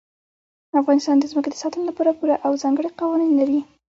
افغانستان د ځمکه د ساتنې لپاره پوره او ځانګړي قوانین لري.